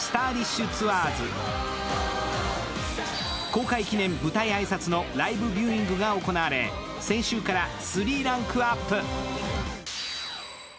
公開記念舞台挨拶のライブビューイングが行われ、先週から３ランクアップ。